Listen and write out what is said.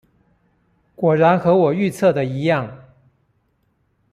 果然和我的預測一樣